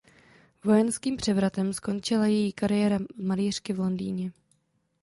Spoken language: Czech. Vojenským převratem skončila její kariéra malířky v Londýně.